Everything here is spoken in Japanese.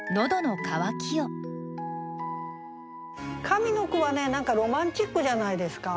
上の句は何かロマンチックじゃないですか。